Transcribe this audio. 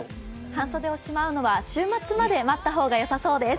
半袖をしまうのは週末まで待った方がいいかもしれないです。